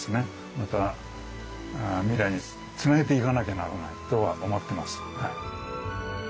また未来につなげていかなきゃならないとは思ってます。